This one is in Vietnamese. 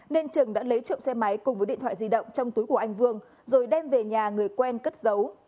nên trường đã lấy trộm xe máy cùng với điện thoại di động trong túi của anh vương rồi đem về nhà người quen cất giấu